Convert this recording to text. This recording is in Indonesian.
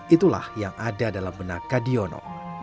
itulah yang ada dalam benak kadiono